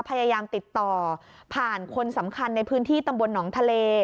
พยายามติดต่อผ่านคนสำคัญในพื้นที่ตำบลหนองทะเล